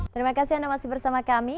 terima kasih anda masih bersama kami